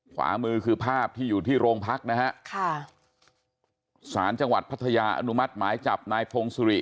ขวามือคือภาพที่อยู่ที่โรงพักนะฮะค่ะสารจังหวัดพัทยาอนุมัติหมายจับนายพงศิริ